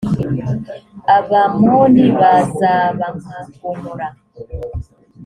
abamoni bazaba nka gomora